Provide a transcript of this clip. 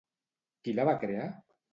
Qui la va crear?